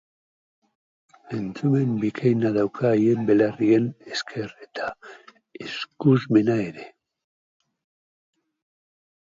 Entzumen bikaina dauka haien belarrien esker eta ikusmena ere.